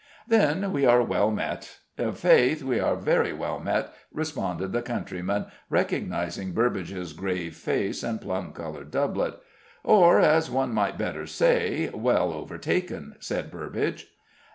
"Then we are well met. I' faith we are very well met," responded the countryman, recognising Burbage's grave face and plum coloured doublet. "Or, as one might better say, well overtaken," said Burbage.